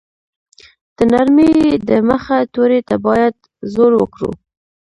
د نرمې ی د مخه توري ته باید زور ورکړو.